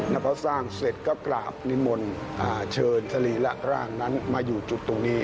แล้วก็สร้างเสร็จก็กราบนิมนต์เชิญสรีระร่างนั้นมาอยู่จุดตรงนี้